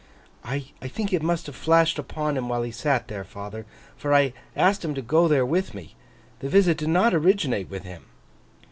'I think it must have flashed upon him while he sat there, father. For I asked him to go there with me. The visit did not originate with him.